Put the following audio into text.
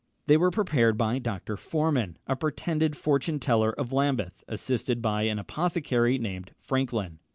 They were prepared by Dr. Forman, a pretended fortune teller of Lambeth, assisted by an apothecary named Franklin.